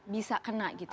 bisa kena gitu